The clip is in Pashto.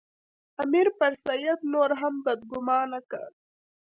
امیر پر سید نور هم بدګومانه کړ.